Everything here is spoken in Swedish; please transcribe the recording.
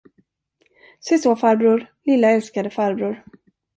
Se så, farbror, lilla älskade farbror!